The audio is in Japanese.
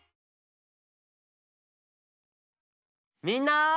みんな。